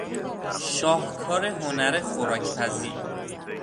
شاهکار هنر خوراکپزی